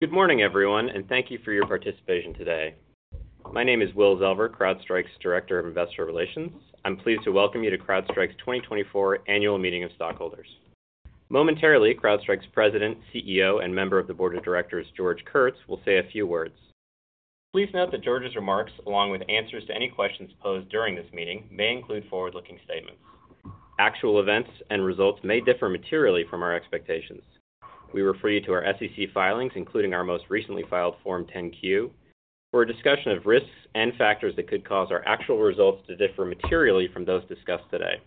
Good morning, everyone, and thank you for your participation today. My name is Will Kelver, CrowdStrike's Director of Investor Relations. I'm pleased to welcome you to CrowdStrike's 2024 Annual Meeting of Stockholders. Momentarily, CrowdStrike's President, CEO, and member of the Board of Directors, George Kurtz, will say a few words. Please note that George's remarks, along with answers to any questions posed during this meeting, may include forward-looking statements. Actual events and results may differ materially from our expectations. We refer you to our SEC filings, including our most recently filed Form 10-Q, for a discussion of risks and factors that could cause our actual results to differ materially from those discussed today.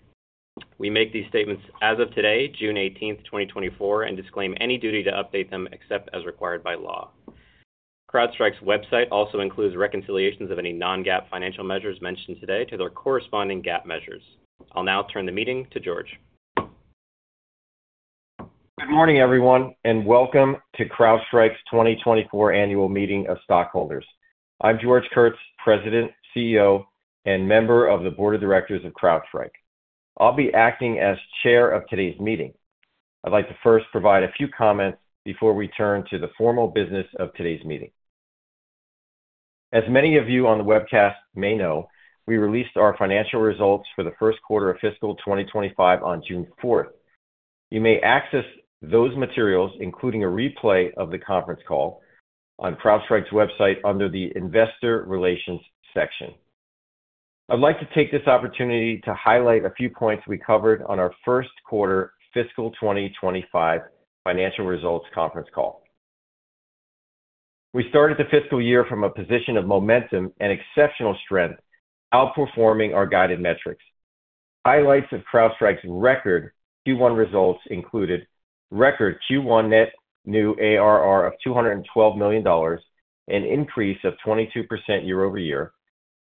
We make these statements as of today, June 18, 2024, and disclaim any duty to update them except as required by law. CrowdStrike's website also includes reconciliations of any non-GAAP financial measures mentioned today to their corresponding GAAP measures. I'll now turn the meeting to George. Good morning, everyone, and welcome to CrowdStrike's 2024 Annual Meeting of Stockholders. I'm George Kurtz, President, CEO, and member of the Board of Directors of CrowdStrike. I'll be acting as Chair of today's meeting. I'd like to first provide a few comments before we turn to the formal business of today's meeting. As many of you on the webcast may know, we released our financial results for the first quarter of fiscal 2025 on June 4. You may access those materials, including a replay of the conference call, on CrowdStrike's website under the Investor Relations section. I'd like to take this opportunity to highlight a few points we covered on our first quarter fiscal 2025 financial results conference call. We started the fiscal year from a position of momentum and exceptional strength, outperforming our guided metrics. Highlights of CrowdStrike's record Q1 results included: record Q1 net new ARR of $212 million, an increase of 22% year-over-year,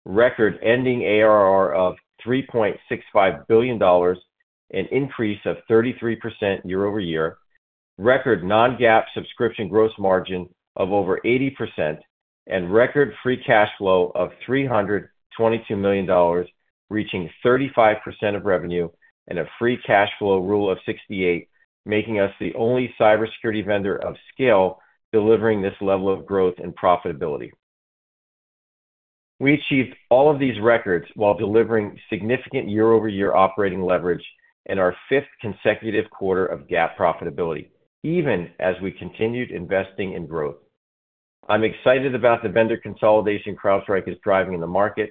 record ending ARR of $3.65 billion, an increase of 33% year-over-year, record non-GAAP subscription gross margin of over 80%, and record free cash flow of $322 million, reaching 35% of revenue and a free cash flow rule of 68, making us the only cybersecurity vendor of scale delivering this level of growth and profitability. We achieved all of these records while delivering significant year-over-year operating leverage and our 5th consecutive quarter of GAAP profitability, even as we continued investing in growth. I'm excited about the vendor consolidation CrowdStrike is driving in the market,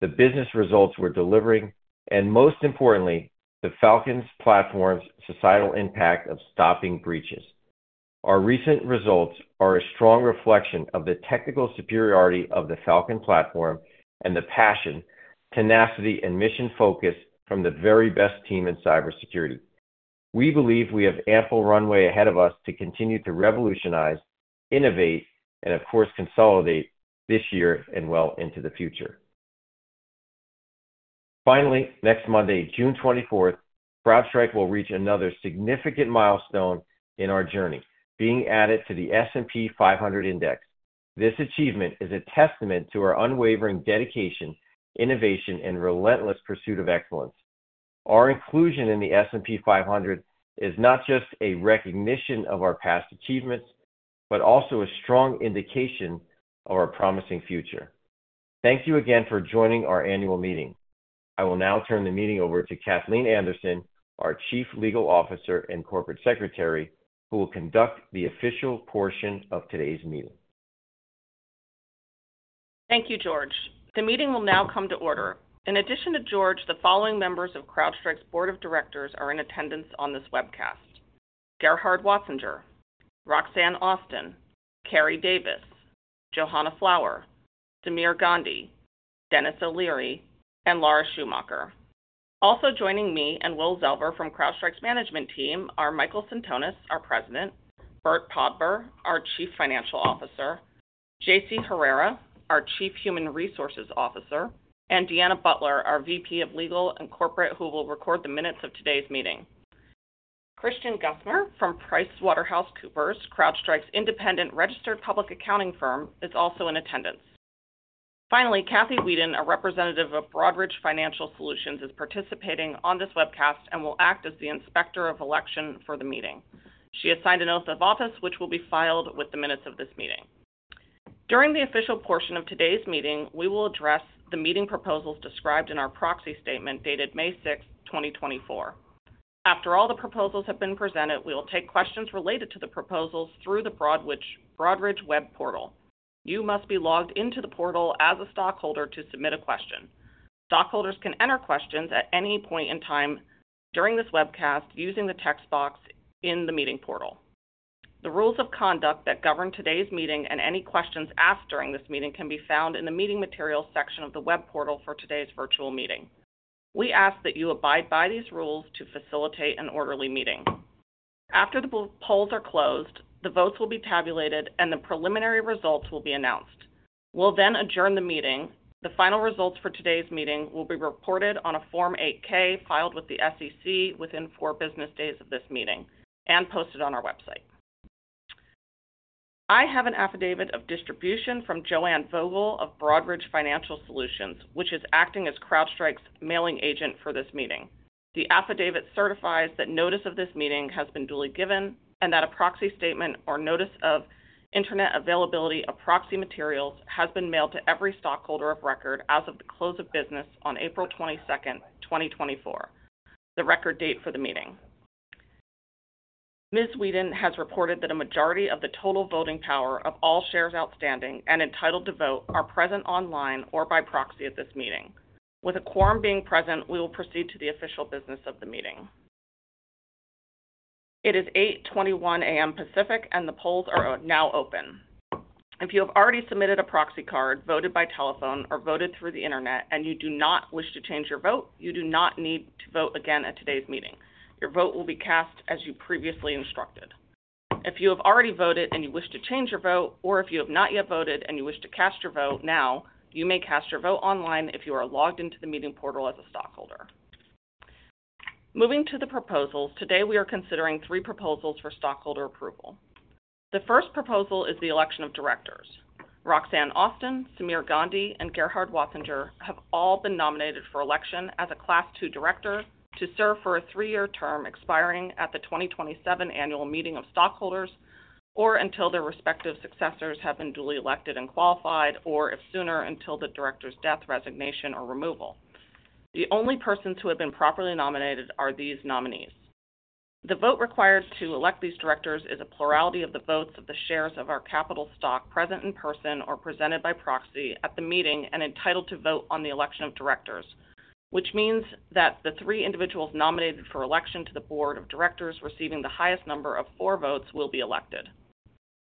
the business results we're delivering, and most importantly, the Falcon platform's societal impact of stopping breaches. Our recent results are a strong reflection of the technical superiority of the Falcon platform and the passion, tenacity, and mission focus from the very best team in cybersecurity. We believe we have ample runway ahead of us to continue to revolutionize, innovate, and, of course, consolidate this year and well into the future. Finally, next Monday, June twenty-fourth, CrowdStrike will reach another significant milestone in our journey, being added to the S&P 500 index. This achievement is a testament to our unwavering dedication, innovation, and relentless pursuit of excellence. Our inclusion in the S&P 500 is not just a recognition of our past achievements, but also a strong indication of our promising future. Thank you again for joining our annual meeting. I will now turn the meeting over to Cathleen Anderson, our Chief Legal Officer and Corporate Secretary, who will conduct the official portion of today's meeting. Thank you, George. The meeting will now come to order. In addition to George, the following members of CrowdStrike's Board of Directors are in attendance on this webcast: Gerhard Watzinger, Roxanne Austin, Cary Davis, Johanna Flower, Sameer Gandhi, Denis O'Leary, and Laura Schumacher. Also joining me and Will Kelver from CrowdStrike's management team are Michael Sentonas, our President, Burt Podbere, our Chief Financial Officer, J.C. Herrera, our Chief Human Resources Officer, and Deanna Butler, our VP of Legal and Corporate, who will record the minutes of today's meeting. Christian Guthner from PricewaterhouseCoopers, CrowdStrike's independent registered public accounting firm, is also in attendance. Finally, Cathy Weeden, a representative of Broadridge Financial Solutions, is participating on this webcast and will act as the Inspector of Election for the meeting. She has signed an oath of office, which will be filed with the minutes of this meeting. During the official portion of today's meeting, we will address the meeting proposals described in our proxy statement, dated May 6, 2024. After all the proposals have been presented, we will take questions related to the proposals through the Broadridge web portal. You must be logged into the portal as a stockholder to submit a question. Stockholders can enter questions at any point in time during this webcast using the text box in the meeting portal. The rules of conduct that govern today's meeting and any questions asked during this meeting can be found in the Meeting Materials section of the web portal for today's virtual meeting. We ask that you abide by these rules to facilitate an orderly meeting. After the polls are closed, the votes will be tabulated, and the preliminary results will be announced. We'll then adjourn the meeting. The final results for today's meeting will be reported on a Form 8-K filed with the SEC within four business days of this meeting and posted on our website. I have an affidavit of distribution from Joanne Vogel of Broadridge Financial Solutions, which is acting as CrowdStrike's mailing agent for this meeting. The affidavit certifies that notice of this meeting has been duly given and that a proxy statement or notice of internet availability of proxy materials has been mailed to every stockholder of record as of the close of business on April 22nd, 2024, the record date for the meeting. Ms. Weeden has reported that a majority of the total voting power of all shares outstanding and entitled to vote are present online or by proxy at this meeting. With a quorum being present, we will proceed to the official business of the meeting. It is 8:21 A.M. Pacific, and the polls are now open. If you have already submitted a proxy card, voted by telephone, or voted through the internet, and you do not wish to change your vote, you do not need to vote again at today's meeting. Your vote will be cast as you previously instructed. If you have already voted and you wish to change your vote, or if you have not yet voted and you wish to cast your vote now, you may cast your vote online if you are logged into the meeting portal as a stockholder. Moving to the proposals, today we are considering three proposals for stockholder approval. The first proposal is the election of directors. Roxanne Austin, Sameer Gandhi, and Gerhard Watzinger have all been nominated for election as a Class II director to serve for a three-year term expiring at the 2027 annual meeting of stockholders, or until their respective successors have been duly elected and qualified, or if sooner, until the director's death, resignation, or removal. The only persons who have been properly nominated are these nominees. The vote required to elect these directors is a plurality of the votes of the shares of our capital stock present in person or presented by proxy at the meeting and entitled to vote on the election of directors, which means that the three individuals nominated for election to the board of directors receiving the highest number of votes will be elected.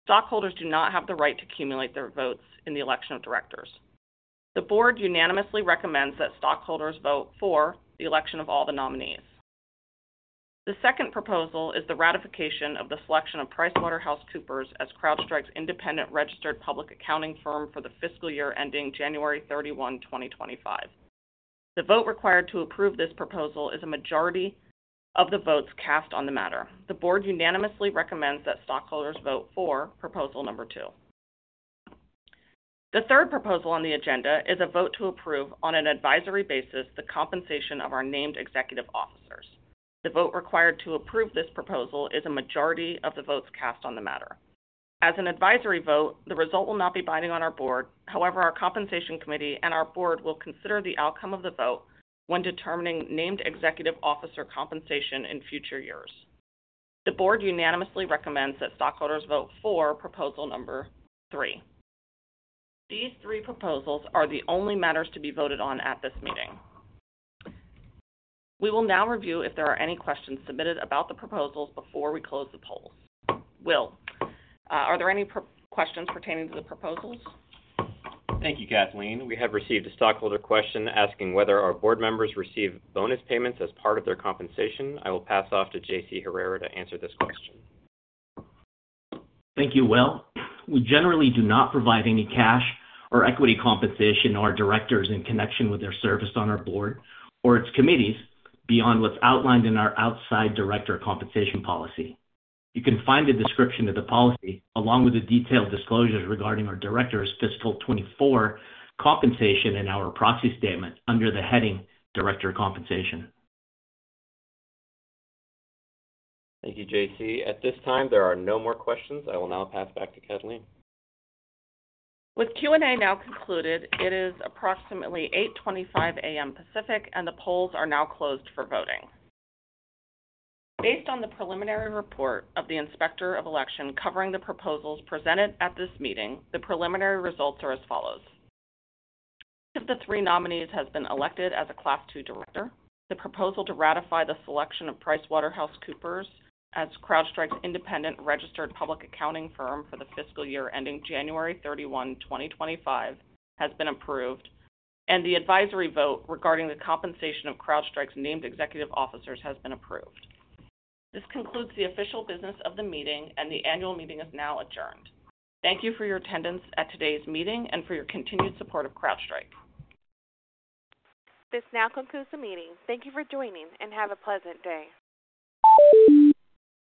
Stockholders do not have the right to accumulate their votes in the election of directors. The board unanimously recommends that stockholders vote for the election of all the nominees. The second proposal is the ratification of the selection of PricewaterhouseCoopers as CrowdStrike's independent registered public accounting firm for the fiscal year ending January 31, 2025. The vote required to approve this proposal is a majority of the votes cast on the matter. The board unanimously recommends that stockholders vote for proposal number two. The third proposal on the agenda is a vote to approve, on an advisory basis, the compensation of our named executive officers. The vote required to approve this proposal is a majority of the votes cast on the matter. As an advisory vote, the result will not be binding on our board. However, our compensation committee and our board will consider the outcome of the vote when determining named executive officer compensation in future years. The board unanimously recommends that stockholders vote for proposal number three. These three proposals are the only matters to be voted on at this meeting. We will now review if there are any questions submitted about the proposals before we close the polls. Will, are there any questions pertaining to the proposals? Thank you, Cathleen. We have received a stockholder question asking whether our board members receive bonus payments as part of their compensation. I will pass off to J.C. Herrera to answer this question. Thank you, Will. We generally do not provide any cash or equity compensation to our directors in connection with their service on our board or its committees, beyond what's outlined in our outside director compensation policy. You can find a description of the policy, along with the detailed disclosures regarding our directors' fiscal 2024 compensation in our proxy statement under the heading Director Compensation. Thank you, J.C. At this time, there are no more questions. I will now pass back to Cathleen. With Q&A now concluded, it is approximately 8:25 A.M. Pacific, and the polls are now closed for voting. Based on the preliminary report of the inspector of election covering the proposals presented at this meeting, the preliminary results are as follows: Each of the three nominees has been elected as a Class II Director. The proposal to ratify the selection of PricewaterhouseCoopers as CrowdStrike's independent registered public accounting firm for the fiscal year ending January 31, 2025, has been approved, and the advisory vote regarding the compensation of CrowdStrike's named executive officers has been approved. This concludes the official business of the meeting and the annual meeting is now adjourned. Thank you for your attendance at today's meeting and for your continued support of CrowdStrike. This now concludes the meeting. Thank you for joining, and have a pleasant day.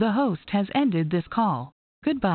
The host has ended this call. Goodbye.